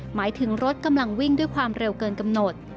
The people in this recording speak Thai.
หมายถึงรถกำลังวิ่งด้วยความเร็วเกินกำหนด